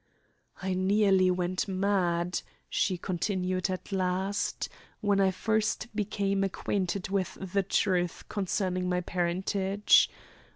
"I nearly went mad," she continued at last, "when I first became acquainted with the truth concerning my parentage.